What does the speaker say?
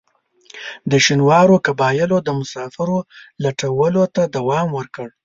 د شینوارو قبایلو د مسافرو لوټلو ته دوام ورکړ.